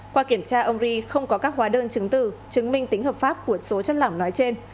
qua kiểm tra ông ri không có các hóa đơn chứng từ chứng minh tính hợp pháp của số chất lỏng nói trên